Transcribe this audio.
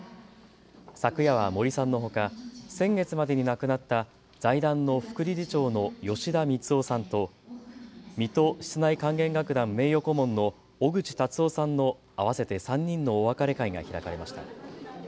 昨夜は森さんのほか先月までに亡くなった財団の副理事長の吉田光男さんと水戸室内管弦楽団名誉顧問の小口達夫さんの合わせて３人のお別れ会が開かれました。